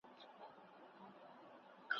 د معلوماتو لټون اوس خورا اسانه دی.